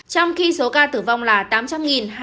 trong khi số ca tử vong là tám trăm linh hai trăm sáu mươi sáu ca